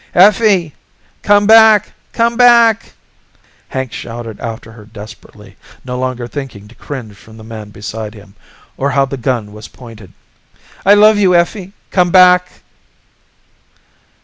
"Effie, come back! Come back!" Hank shouted after her desperately, no longer thinking to cringe from the man beside him, or how the gun was pointed. "I love you, Effie. Come back!"